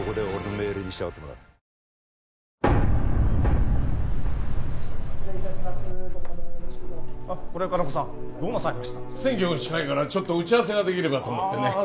選挙も近いからちょっと打ち合わせができればと思ってね